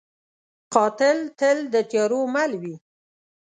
قاتل تل د تیارو مل وي